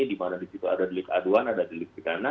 di mana di situ ada delik aduan ada delik pidana